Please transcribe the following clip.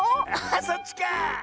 あそっちか！